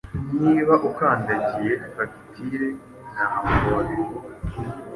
Niba ukandagiye fagitire, ntabwo wabivuga.